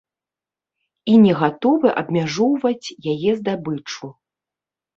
І не гатовы абмяжоўваць яе здабычу.